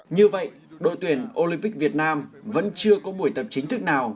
như vậy đội tuyển olympic việt nam vẫn chưa có buổi tập chính thức nào